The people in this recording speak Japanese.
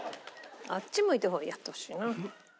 あっち向いてホイやってほしいな。